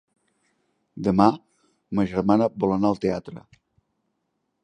Demà ma germana vol anar al teatre.